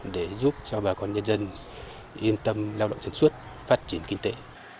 để giúp cho bà con nhân dân yên tâm lao động sản xuất phát triển kinh tế